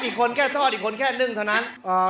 อีกคนแค่ทอดอีกคนแค่นึ่งเท่านั้น